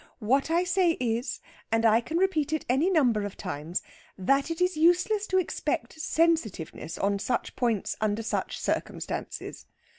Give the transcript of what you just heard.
What I say is, and I can repeat it any number of times, that it is useless to expect sensitiveness on such points under such circumstances.